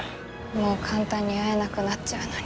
もう簡単に会えなくなっちゃうのに。